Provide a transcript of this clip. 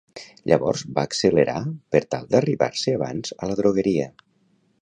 Llavors va accelerar per tal d'arribar-se abans a la drogueria.